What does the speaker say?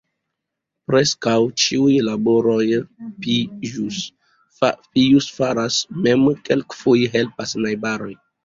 Preskaŭ ĉiujn laborojn Pijus faras mem, kelkfoje helpas najbaroj.